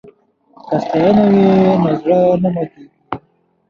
که ستاینه وي نو زړه نه ماتیږي.